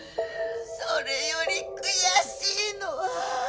それより悔しいのは。